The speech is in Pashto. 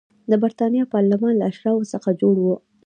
د برېټانیا پارلمان له اشرافو څخه جوړ و.